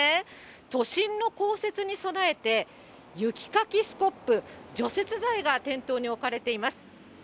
都心の降雪に備えて、雪かきスコップ、除雪剤が店頭に置かれています。